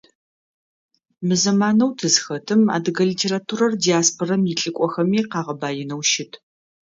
Мы зэманэу тызхэтым адыгэ литературэр диаспорэм илӏыкӏохэми къагъэбаинэу щыт.